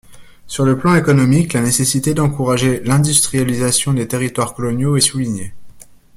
Sur le plan économique, la nécessité d'encourager l'industrialisation des territoires coloniaux est soulignée.